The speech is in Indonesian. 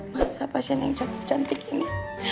masa pasien yang cantik cantik ini